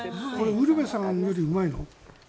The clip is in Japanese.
ウルヴェさんよりうまいの？